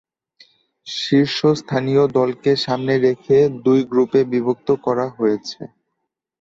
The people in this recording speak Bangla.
শীর্ষস্থানীয় দলকে সামনে রেখে দুই গ্রুপে বিভক্ত করা হয়েছে।